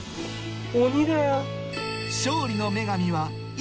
鬼だよ。